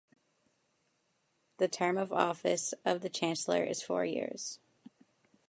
The term of office of the Chancellor is four years.